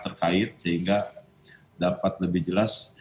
terkait sehingga dapat lebih jelas